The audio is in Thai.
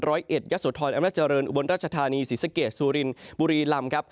ร้อยเอ็ดยัสโธนอำนาจเจริญอุบลราชธานีศิษฐกิจสุรินบุรีลำ